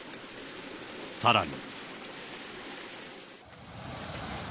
さらに。